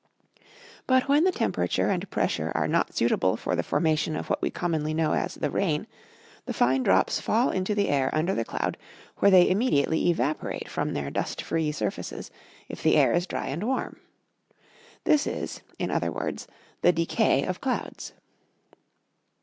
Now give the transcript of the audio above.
But when the temperature and pressure are not suitable for the formation of what we commonly know as the rain, the fine drops fall into the air under the cloud, where they immediately evaporate from their dust free surfaces, if the air is dry and warm. This is, in other words, the decay of clouds.